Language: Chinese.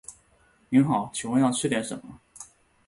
您好，请问要吃点什么？